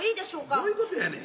どういうことやねん。